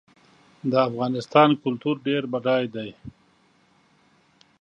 د افغانستان کلتور ډېر بډای دی.